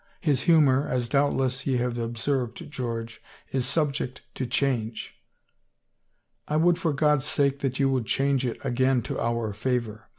His humor, as doubtless ye have observed, George, is subject to change." " I would for God's sake that you would change it again to our favor.